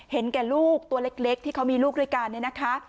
แก่ลูกตัวเล็กที่เขามีลูกด้วยกันเนี่ยนะคะ